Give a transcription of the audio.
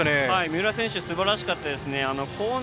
三浦選手すばらしかったですね。